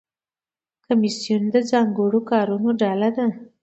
کمیسیون د ځانګړو کارونو ډله ده